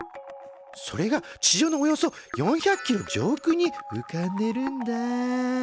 それが地上のおよそ４００ｋｍ上空にうかんでるんだ。